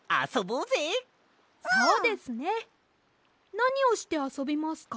なにをしてあそびますか？